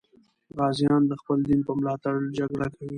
غازیان د خپل دین په ملاتړ جګړه کوي.